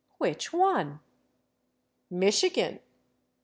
"Which one?" " Michigan."